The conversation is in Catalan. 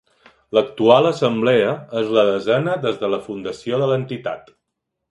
L'actual Assemblea és la desena des de la fundació de l'entitat.